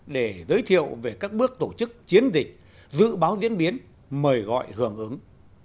để giới thiệu về các bước tổ chức chiến dịch dự báo diễn biến mời gọi hưởng ứng